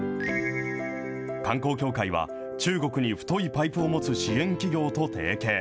観光協会は、中国に太いパイプを持つ支援企業と提携。